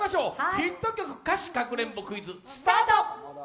「ヒット曲歌詞かくれんぼクイズ」スタート。